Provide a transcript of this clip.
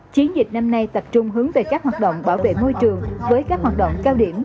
chiến dịch năm nay tập trung hướng về các hoạt động bảo vệ môi trường với các hoạt động cao điểm